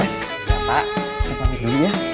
ya pak saya pamit dulu ya